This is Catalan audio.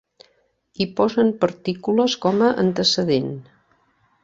Hi posen partícules com a antecedent.